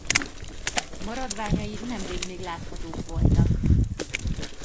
Maradványai nemrég még láthatók voltak.